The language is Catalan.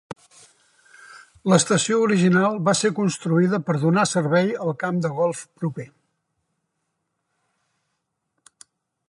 L'estació original va ser construïda per donar servei al camp de golf proper.